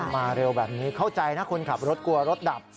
มาเร็วแบบนี้เข้าใจนะคนขับรถกลัวรถดับ